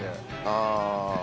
ああ。